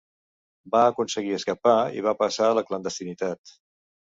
Va aconseguir escapar i va passar a la clandestinitat.